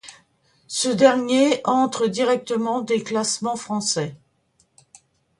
Ce dernier entre directement des classements français.